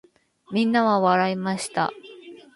皆は笑いました。